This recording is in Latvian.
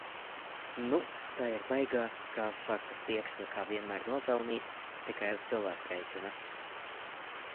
Nu, tā ir baigā, kā saka, tieksme kā vienmēr nopelnīt, tikai uz cilvēku rēķina.